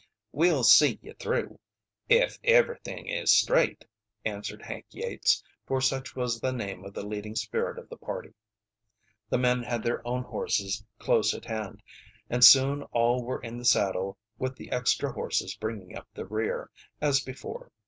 "We'll see ye through ef everything is straight," answered Hank Yates, for such was the name of the leading spirit of the party. The men had their own horses close at hand, and soon all were in the saddle, with the extra horses bringing up the rear, as before.